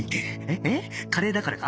カレーだからか？